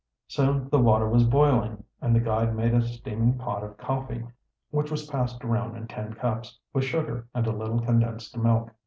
Soon the water was boiling and the guide made a steaming pot of coffee, which was passed around in tin cups, with sugar and a little condensed milk.